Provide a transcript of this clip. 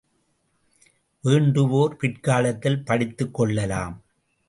வேண்டுவோர் பிற்காலத்தில் படித்துக் கொள்ளலாம்.